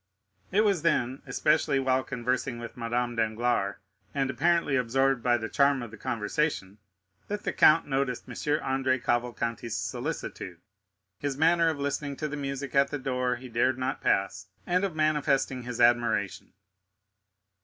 It was then, especially while conversing with Madame Danglars, and apparently absorbed by the charm of the conversation, that the count noticed M. Andrea Cavalcanti's solicitude, his manner of listening to the music at the door he dared not pass, and of manifesting his admiration.